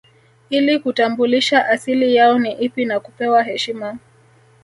Ili kutambulisha asili yao ni ipi na kupewa heshima